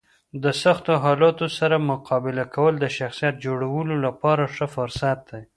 د سختو حالاتو سره مقابله کول د شخصیت جوړولو لپاره ښه فرصت دی.